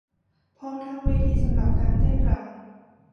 พร้อมทั้งเวทีสำหรับการเต้นรำ